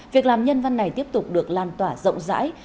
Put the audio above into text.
việc làm nhân văn này tiếp tục được lan tỏa rộng rãi